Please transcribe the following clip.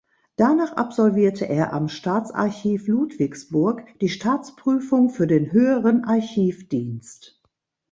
Danach absolvierte er am Staatsarchiv Ludwigsburg die Staatsprüfung für den Höheren Archivdienst.